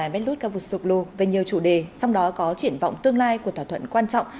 medlut kavusoglu về nhiều chủ đề sau đó có triển vọng tương lai của thỏa thuận quan trọng